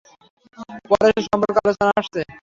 পরে সে সম্পর্কে আলোচনা আসছে।